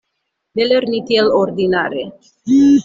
Ne lerni tiel ordinare.